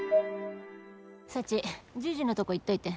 「幸じいじのとこ行っといて」